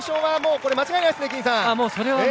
それは間違いないですね。